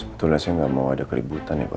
sebetulnya saya tidak mau ada keributan ya pak